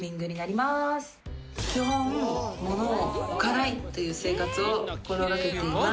基本物を置かないっていう生活を心がけています。